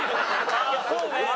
ああそうね。